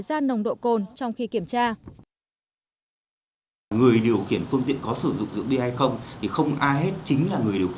gian nồng độ cồn trong khi kiểm tra